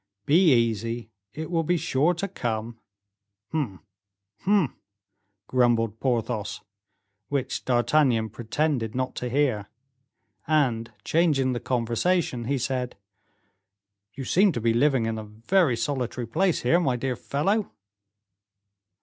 "Be easy, it will be sure to come." "Humph! humph!" grumbled Porthos, which D'Artagnan pretended not to hear; and, changing the conversation, he said, "You seem to be living in a very solitary place here, my dear fellow?"